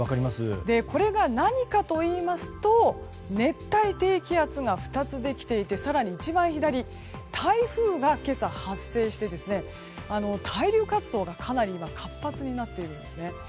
これが何かといいますと熱帯低気圧が２つできていて、更に一番左台風が今朝発生して対流活動が今、活発になっているんですね。